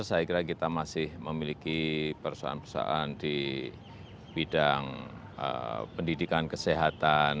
saya kira kita masih memiliki perusahaan perusahaan di bidang pendidikan kesehatan